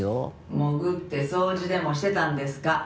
「潜って掃除でもしてたんですか？」